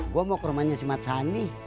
gue mau ke rumahnya si mat sani